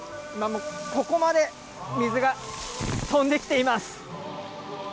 ここまで水が飛んできています。